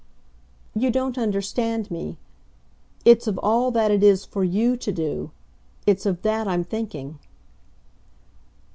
"You don't understand me. It's of all that it is for YOU to do it's of that I'm thinking."